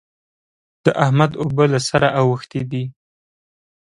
د احمد اوبه له سره اوښتې دي.